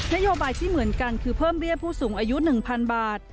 นโยบายที่เหมือนกันคือเพิ่มเบี้ยผู้สูงอายุ๑๐๐๐บาท